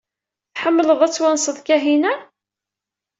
Tḥemmleḍ ad twanseḍ Kahina?